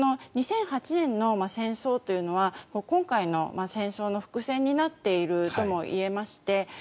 ２００８年の戦争というのは今回の戦争の伏線になっているとも言えまして